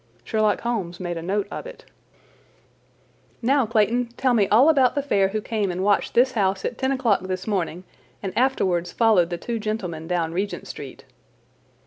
Sherlock Holmes made a note of it. "Now, Clayton, tell me all about the fare who came and watched this house at ten o'clock this morning and afterwards followed the two gentlemen down Regent Street."